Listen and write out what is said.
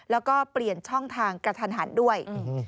แล้วก็เปลี่ยนช่องทางกระทันหันด้วย